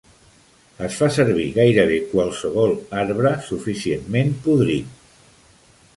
Es fa servir gairebé qualsevol arbre suficientment podrit.